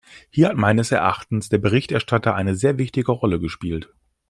Hier hat meines Erachtens der Berichterstatter eine sehr wichtige Rolle gespielt.